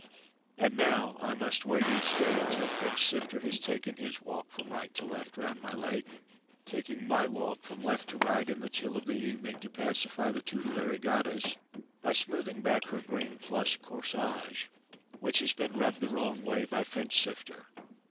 And now I must wait each day until Finchsifter has taken his walk from right to left round my Lake, taking my walk (from left to right) in the chill of the evening to pacify the tutelary Goddess by smoothing back her green plush corsage, which has been rubbed the wrong way by Finchsifter.